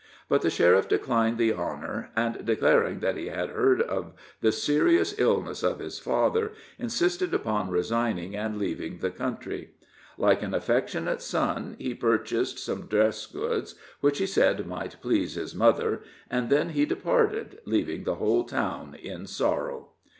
But the sheriff declined the honor, and, declaring that he had heard of the serious illness of his father, insisted upon resigning and leaving the country. Like an affectionate son, he purchased some dress goods, which he said might please his mother, and then he departed, leaving the whole town in sorrow.